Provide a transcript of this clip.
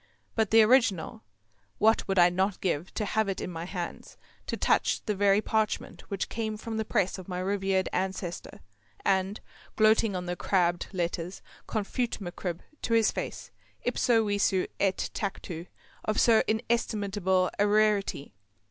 But the original, what would I not give to have it in my hands, to touch the very parchment which came from the press of my revered ancestor, and, gloating on the crabbed letters, confute MacCribb to his face ipso visu et tactu of so inestimable a rarity.